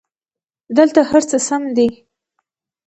دلته هرڅه سم دي